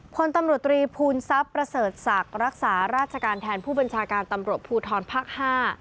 พลตำรวจตรีภูมิทรัพย์ประเสริฐศักดิ์รักษาราชการแทนผู้บัญชาการตำรวจภูทรภาคห้า